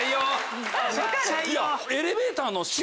エレベーターの。